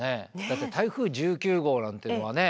だって台風１９号なんてのはね